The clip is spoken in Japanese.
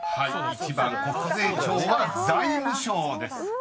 １番国税庁は「財務省」です］